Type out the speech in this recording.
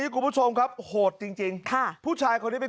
คุณผู้ชมครับโหดจริงพอผู้ชายคนนี้ไม่